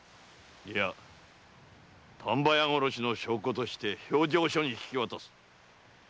いや丹波屋殺しの証拠として評定所に引き渡す。